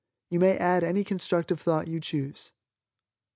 You may add any constructive thought you choose.